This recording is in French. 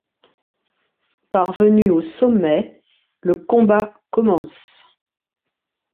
Parvenus au sommet, le combat commence.